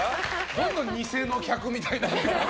どんどん偽の客みたいな。